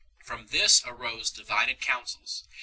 From this arose divided counsels.